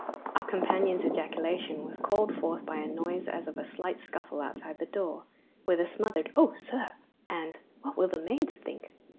Our companion's ejaculation was called forth by a noise as of a slight scuffle outside the door, with a smothered 'Oh, sir!' and 'What will the maids think?